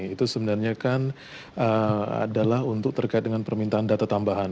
itu sebenarnya kan adalah untuk terkait dengan permintaan data tambahan